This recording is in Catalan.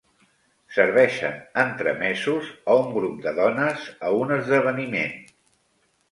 Serveixen entremesos a un grup de dones a un esdeveniment.